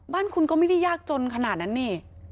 บ้านคุณก็ไม่ได้ยากจนขนาดนั้นนี่